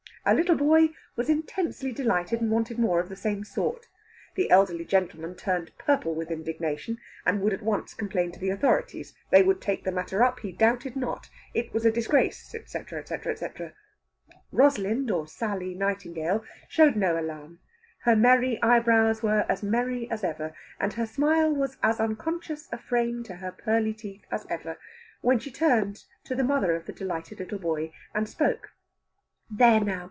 A little boy was intensely delighted, and wanted more of the same sort. The elderly gentleman turned purple with indignation, and would at once complain to the authorities. They would take the matter up, he doubted not. It was a disgrace, etc., etc., etc. Rosalind, or Sally, Nightingale showed no alarm. Her merry eyebrows were as merry as ever, and her smile was as unconscious a frame to her pearly teeth as ever, when she turned to the mother of the delighted little boy and spoke. "There now!